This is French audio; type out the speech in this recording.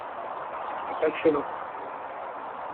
C’est passionnant.